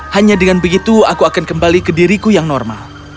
hanya dengan begitu aku akan kembali ke diriku yang normal